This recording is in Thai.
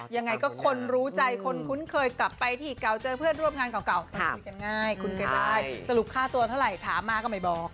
ยังไงก็คนรู้ใจคนคุ้นเคยกลับไปที่เก่าเจอเพื่อนร่วมงานเก่ามันคุยกันง่ายคุ้นเคยได้สรุปค่าตัวเท่าไหร่ถามมาก็ไม่บอก